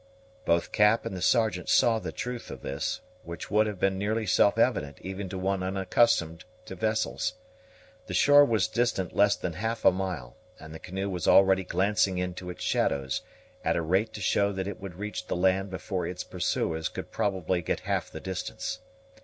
Both Cap and the Sergeant saw the truth of this, which would have been nearly self evident even to one unaccustomed to vessels. The shore was distant less than half a mile, and the canoe was already glancing into its shadows, at a rate to show that it would reach the land before its pursuers could probably get half the distance.